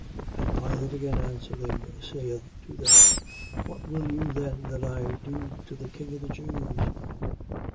15:12. And Pilate again answering, saith to them: What will you then that I do to the king of the Jews?